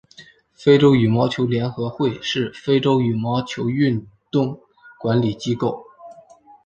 非洲羽毛球联合会是非洲羽毛球运动管理机构。